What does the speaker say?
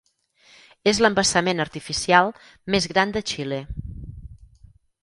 És l'embassament artificial més gran de Xile.